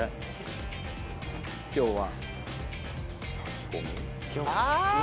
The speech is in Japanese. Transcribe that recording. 今日は。